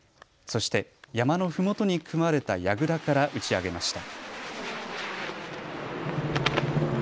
そして山のふもとに組まれたやぐらから打ち上げました。